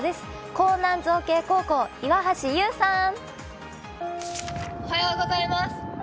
港南造形高校、岩橋悠さん。